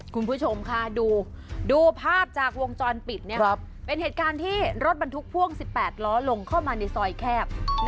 คุณผู้ชมค่ะดูภาพจากวงจรปิดเป็นเหตุการณ์ที่รถบรรทุกพ่วง๑๘ล้อลงเข้ามาในซอยแคบ